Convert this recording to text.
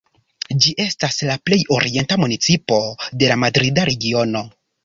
Ĝi estas la plej orienta municipo de la Madrida Regiono.